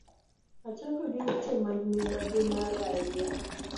Achako gi weche mag mibadhi ma raia